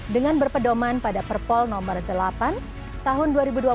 dengan berpedoman pada perpol nomor delapan tahun dua ribu dua puluh